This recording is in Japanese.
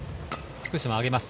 福島、上げます。